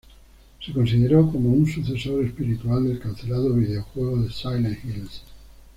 Se consideró como un sucesor espiritual del cancelado videojuego de Silent Hills.